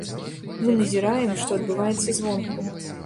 Мы назіраем, што адбываецца звонку.